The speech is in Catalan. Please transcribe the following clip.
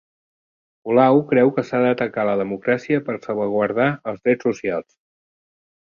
Colau creu que s'ha d'atacar la democràcia per salvaguardar els drets socials